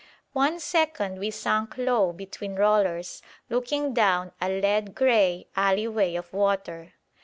One second we sank low between rollers, looking down a lead grey alley way of water.